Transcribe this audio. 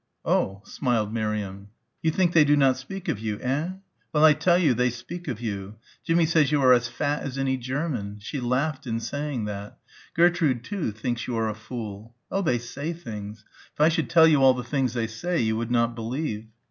"Oh," smiled Miriam. "You think they do not speak of you, hein? Well, I tell you they speak of you. Jimmie says you are as fat as any German. She laughed in saying that. Gertrude, too, thinks you are a fool. Oh, they say things. If I should tell you all the things they say you would not believe."